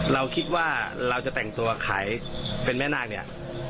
เราคิดว่าเราจะแต่งตัวขายเป็นแม่นาคเนี่ย